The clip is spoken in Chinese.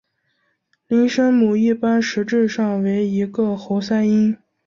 零声母一般实质上为一个喉塞音。